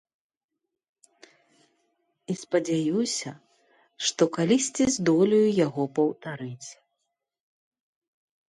І спадзяюся, што калісьці здолею яго паўтарыць.